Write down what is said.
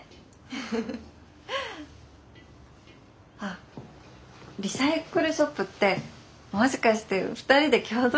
あリサイクルショップってもしかして２人で共同経営とか？